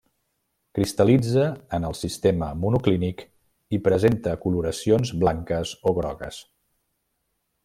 Cristal·litza en el sistema monoclínic i presenta coloracions blanques o grogues.